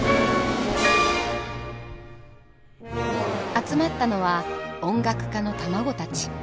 集まったのは音楽家の卵たち。